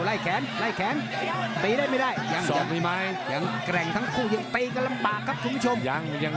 อ้าวผ่านไป๑นาทีครึ่งถึงถ้าไม่จังหวัง